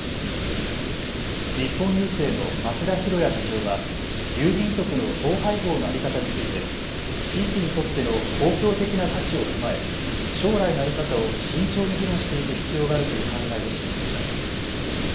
日本郵政の増田寛也社長は郵便局の統廃合の在り方について地域にとっての公共的な価値を踏まえ将来の在り方を慎重に議論していく必要があるという考えを示しました。